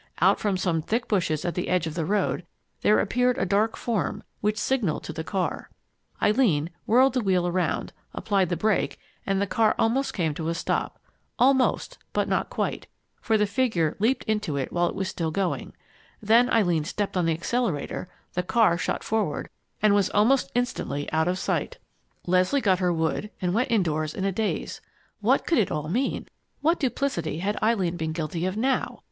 Out from some thick bushes at the edge of the road, there appeared a dark form, which signaled to the car. Eileen whirled the wheel around, applied the brake, and the car almost came to a stop. Almost but not quite, for the figure leaped into it while it was still going. Then Eileen stepped on the accelerator, the car shot forward, and was almost instantly out of sight. [Illustration: Eileen whirled the wheel around, applied the brake, and the car almost came to a stop] Leslie got her wood and went indoors in a daze. What could it all mean? What duplicity had Eileen been guilty of now?